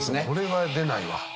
これは出ないわ。